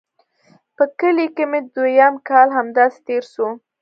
په کلي کښې مې دويم کال هم همداسې تېر سو.